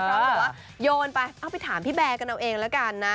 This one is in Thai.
พร้อมบอกว่าโยนไปเอาไปถามพี่แบร์กันเอาเองแล้วกันนะ